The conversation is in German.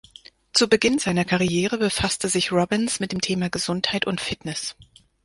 Zu Beginn seiner Karriere befasste sich Robbins mit dem Thema Gesundheit und Fitness.